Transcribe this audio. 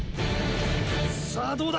さぁどうだ？